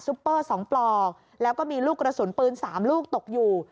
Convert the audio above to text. เปอร์๒ปลอกแล้วก็มีลูกกระสุนปืน๓ลูกตกอยู่